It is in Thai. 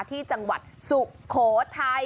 ที่จังหวัดสุโขทัย